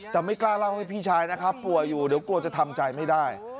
แต่ไม่กล้าเล่าให้พี่ชายนะครับป่วยอยู่เดี๋ยวกลัวจะทำใจไม่ได้